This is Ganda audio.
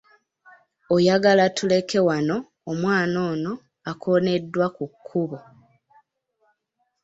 Oyogala tuleke wano omwana ono akooneddwa ku kkubo.